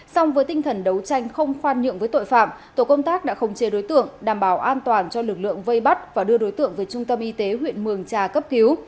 xong với tinh thần đấu tranh không khoan nhượng với tội phạm tổ công tác đã khống chế đối tượng đảm bảo an toàn cho lực lượng vây bắt và đưa đối tượng về trung tâm y tế huyện mường trà cấp cứu